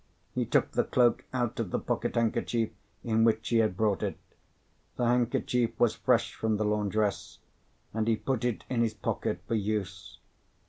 He took the cloak out of the pocket handkerchief in which he had brought it. The handkerchief was fresh from the laundress, and he put it in his pocket for use.